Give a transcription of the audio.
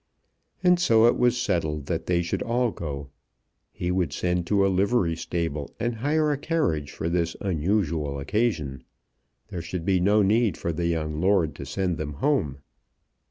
And so it was settled that they should all go. He would send to a livery stable and hire a carriage for this unusual occasion. There should be no need for the young lord to send them home.